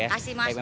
terima kasih mas